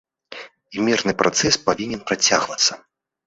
І мірны працэс павінен працягвацца.